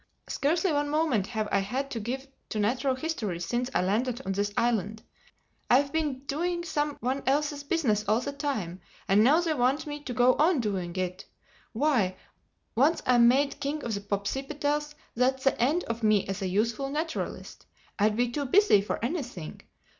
Scarcely one moment have I had to give to natural history since I landed on this island. I've been doing some one else's business all the time. And now they want me to go on doing it! Why, once I'm made King of the Popsipetels, that's the end of me as a useful naturalist. I'd be too busy for anything.